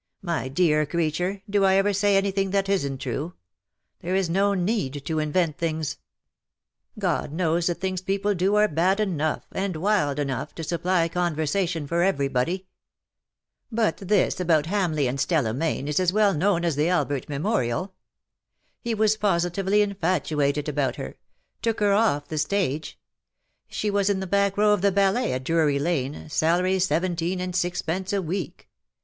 '^ My dear creature, do I ever say anything that isn't true ? There is no need to invent thina^s. 240 LE SECRET DE POLICHINELLE. God knows the tilings people do are bad enough, and wild enough, to supply conversation for every body. But this about Hamleigh and Stella Mayne is as well known as the Albert Memorial. He was positively infatuated about her ; took her off the stage : she was in the back row of the ballet at Drury Lane, salary seventeen and sixpence a week.